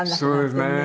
そうですね。